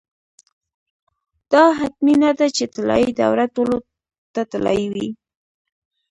دا حتمي نه ده چې طلايي دوره ټولو ته طلايي وي.